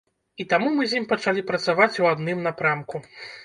І таму мы з ім пачалі працаваць у адным напрамку.